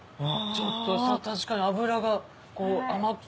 確かに脂が甘くて。